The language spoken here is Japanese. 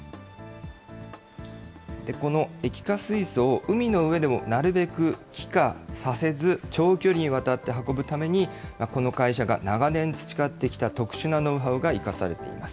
この液化水素を海の上でもなるべく気化させず、長距離にわたって運ぶために、この会社が長年培ってきた特殊なノウハウが生かされています。